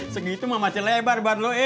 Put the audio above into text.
segitu mama celebar